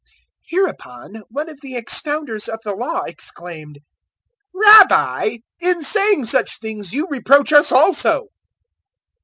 011:045 Hereupon one of the expounders of the Law exclaimed, "Rabbi, in saying such things you reproach us also."